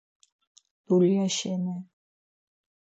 Dulya şenii?